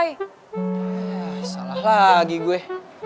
eh salah lagi gue